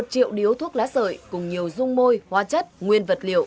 một triệu điếu thuốc lá sợi cùng nhiều dung môi hoa chất nguyên vật liệu